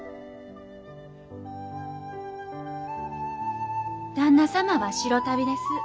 旦那様は白足袋です。